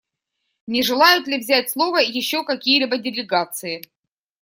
Не желают ли взять слово еще какие-либо делегации?